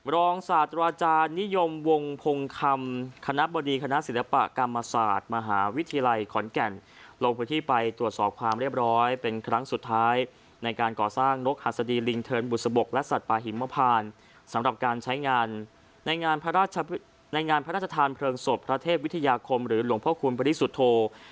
รองศาสตราจารย์นิยมวงพงคำคณะบดีคณะศิลปกรรมศาสตร์มหาวิทยาลัยขอนแก่นลงพื้นที่ไปตรวจสอบความเรียบร้อยเป็นครั้งสุดท้ายในการก่อสร้างนกหัสดีลิงเทินบุษบกและสัตว์ป่าหิมพานสำหรับการใช้งานในงานพระราชในงานพระราชทานเพลิงศพพระเทพวิทยาคมหรือหลวงพ่อคุณบริสุทธโธ